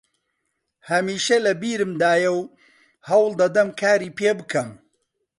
هەمیشە لە بیرمدایە و هەوڵ دەدەم کاری پێ بکەم